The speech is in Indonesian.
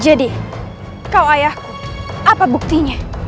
jadi kau ayahku apa buktinya